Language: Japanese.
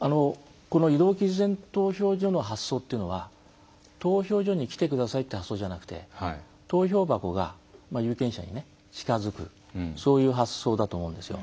移動期日前投票所の発想というのは投票所に来てくださいっていう発想じゃなくて投票箱が有権者に近づくそういう発想だと思うんですよ。